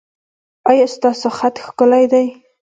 ایا ستاسو خط ښکلی دی؟